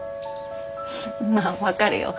まぁ分かるよ。